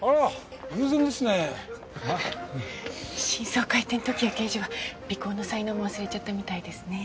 新装開店・時矢刑事は尾行の才能も忘れちゃったみたいですね。